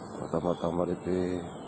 untuk tambah tambah lebih